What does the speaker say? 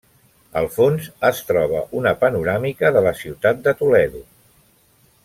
Al fons es troba una panoràmica de la ciutat de Toledo.